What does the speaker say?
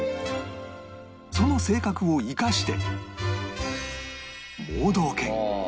その性格を生かして